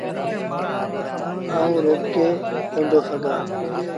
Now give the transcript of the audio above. آئوٚݩ روڪي ڪوندو سگھآݩ۔